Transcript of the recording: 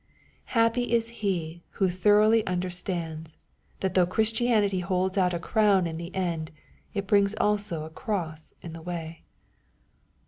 Happy is he who thoroughly understands, that though Christianity holds out a crown in the end, it brings also a cross in the way.